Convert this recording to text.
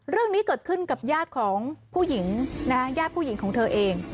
เรื่องนี้เกิดขึ้นกับญาติของผู้หญิงนะฮะญาติผู้หญิงของเธอเอง